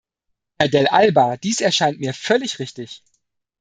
Herr Dell' Alba, dies erscheint mir völlig richtig.